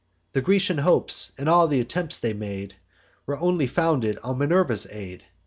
The Grecian hopes, and all th' attempts they made, Were only founded on Minerva's aid.